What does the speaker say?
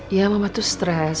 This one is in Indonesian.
ya mama tuh stress